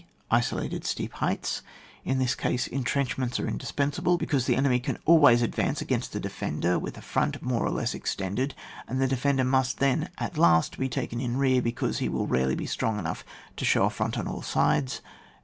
Isolated steep Heights. In this case, entrenchments are indis pensable, because the enemy can always advance against the defender with a front 8 UMMAR T OF INSTR UCTION. 109 more or less extended, and tlie defender must then at last be taken in rear, be cause lie will rarely be strong enough to show a front on all sides.